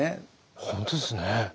本当ですね。